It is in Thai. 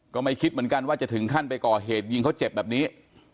ก็ไม่คิดเหมือนกันว่าจะถึงขั้นไปก่อเหตุยิงเขาเจ็บแบบนี้